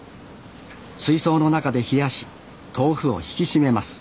水槽の中で冷やし豆腐を引き締めます